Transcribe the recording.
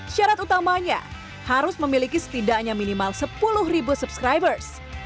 syarat utamanya harus memiliki setidaknya minimal sepuluh ribu subscribers